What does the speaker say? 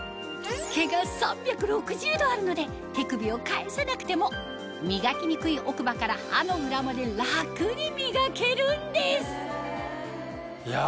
毛が３６０度あるので手首を返さなくても磨きにくい奥歯から歯の裏まで楽に磨けるんですいや